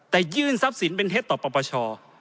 แต่ยื่นทรัพย์สินเป็นเหตุต่อประประชา